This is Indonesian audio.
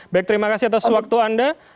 baik terima kasih atas waktu anda